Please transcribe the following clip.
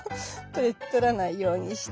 取らないようにして。